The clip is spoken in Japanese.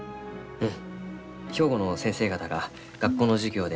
うん。